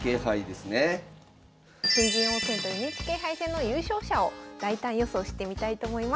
新人王戦とＮＨＫ杯戦の優勝者を大胆予想してみたいと思います。